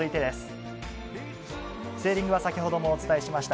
セーリングは先ほどもお伝えしました。